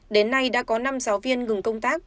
đến nay đã có năm giáo viên ngừng công tác